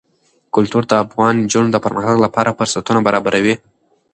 کلتور د افغان نجونو د پرمختګ لپاره فرصتونه برابروي.